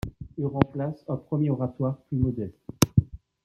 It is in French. Il remplace un premier oratoire plus modeste.